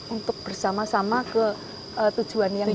untuk bersama sama ke tujuan yang sama